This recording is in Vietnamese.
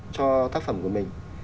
cho tác phẩm của mình